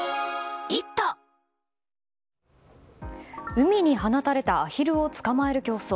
海に放たれたアヒルを捕まえる競争。